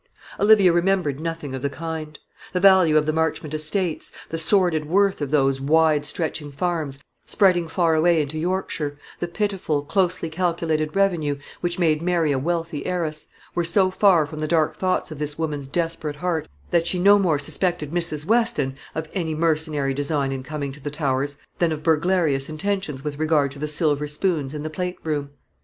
Olivia remembered nothing of the kind. The value of the Marchmont estates; the sordid worth of those wide stretching farms, spreading far away into Yorkshire; the pitiful, closely calculated revenue, which made Mary a wealthy heiress, were so far from the dark thoughts of this woman's desperate heart, that she no more suspected Mrs. Weston of any mercenary design in coming to the Towers, than of burglarious intentions with regard to the silver spoons in the plate room.